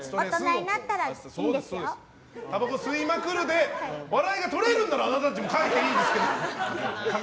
たばこを吸いまくるで笑いがとれるならあなたたちも書いていいですけど。